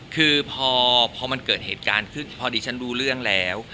คือพอเกิดเหตุการณ์พอดิฉันรู้เรื่องแล้ว